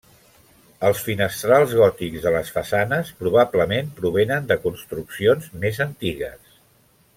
Els finestrals gòtics de les façanes probablement provenen de construccions més antigues.